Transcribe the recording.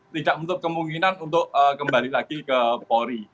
tidak menutup kemungkinan untuk kembali lagi ke polri